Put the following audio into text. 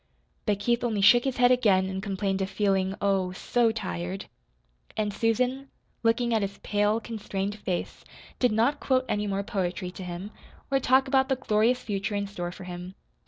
But Keith only shook his head again and complained of feeling, oh, so tired. And Susan, looking at his pale, constrained face, did not quote any more poetry to him, or talk about the glorious future in store for him.